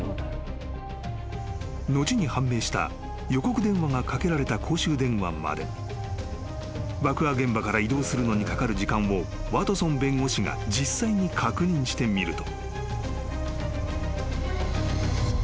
［後に判明した予告電話がかけられた公衆電話まで爆破現場から移動するのにかかる時間をワトソン弁護士が実際に確認してみると］